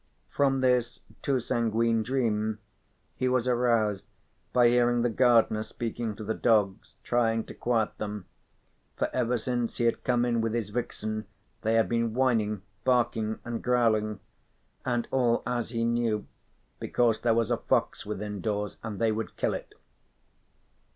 From this too sanguine dream he was aroused by hearing the gardener speaking to the dogs, trying to quiet them, for ever since he had come in with his vixen they had been whining, barking and growling, and all as he knew because there was a fox within doors and they would kill it.